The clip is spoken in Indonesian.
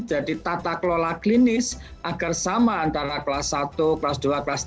jadi tata kelola klinis agar sama antara kelas satu kelas dua kelas tiga